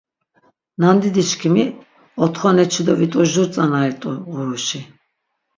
Nandidiçkimi otxoneçidovit̆ojur tzanari rt̆u ğuruşi.